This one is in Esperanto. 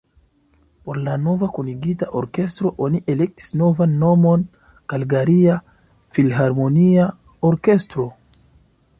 Por la nova kunigita orkestro oni elektis novan nomon: Kalgaria Filharmonia Orkestro.